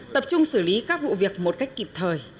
tập trung xử lý các vụ việc một cách kịp thời